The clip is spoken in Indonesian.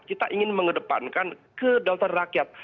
kita ingin mengedepankan kedaulatan rakyat